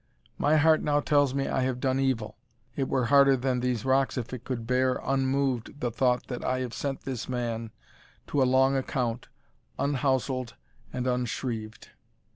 My heart now tells me I have done evil it were harder than these rocks if it could bear unmoved the thought, that I have sent this man to a long account, unhousled and unshrieved."